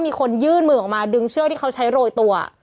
มีคนยื่นมือออกมาดึงเชือกที่เขาใช้โรยตัว